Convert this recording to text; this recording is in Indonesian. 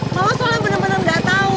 mama soalnya bener bener gak tau